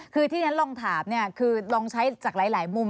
คือที่ฉันลองถามเนี่ยคือลองใช้จากหลายมุม